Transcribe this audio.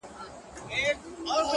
• کوټي ته درځمه گراني ـ